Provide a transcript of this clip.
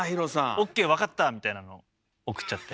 「オッケーわかった」みたいなのを送っちゃって。